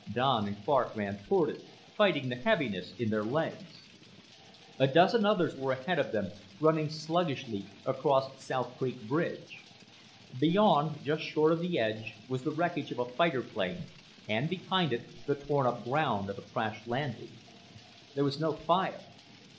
Don and Clark ran toward it, fighting the heaviness in their legs. A dozen others were ahead of them, running sluggishly across South Creek Bridge. Beyond, just short of the edge, was the wreckage of a fighter plane and, behind it, the torn up ground of a crash landing. There was no fire.